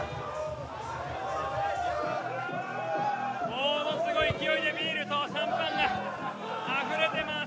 ものすごい勢いでビールとシャンパンがあふれてます！